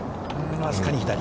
僅かに左。